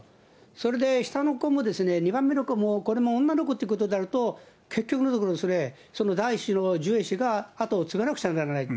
それで下の子も、２番目の子も、これも女の子であれば、結局のところ、第１子のジュエ氏が後を継がなくちゃならない。